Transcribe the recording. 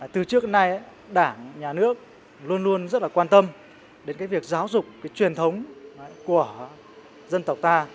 từ trước đến nay đảng nhà nước luôn luôn rất là quan tâm đến cái việc giáo dục cái truyền thống của dân tộc ta